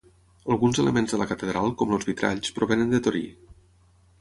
Alguns elements de la catedral, com els vitralls, provenen de Torí.